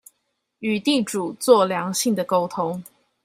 與地主做良性的溝通